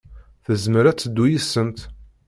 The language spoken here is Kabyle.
Tezmer ad teddu yid-sent.